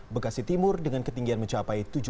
bekasi timur dengan ketinggian mencapai tujuh puluh cm